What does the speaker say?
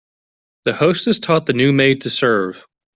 The hostess taught the new maid to serve.